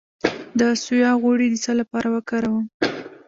د سویا غوړي د څه لپاره وکاروم؟